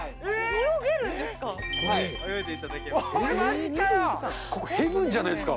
泳げるんですか？